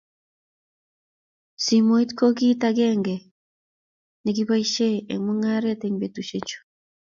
Simoit ko kito akenge ne kiboisie eng mong'aree eng betushe chu.